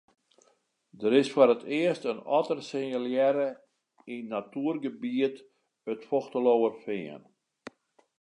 Der is foar it earst in otter sinjalearre yn natuergebiet it Fochtelerfean.